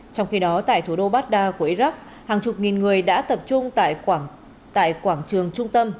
trong khi đó tại thủ đô baghdad của iraq hàng chục nghìn người đã tập trung tại quảng trường trung tâm